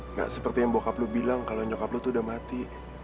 nggak seperti yang bokap lo bilang kalau nyokap lo tuh udah mati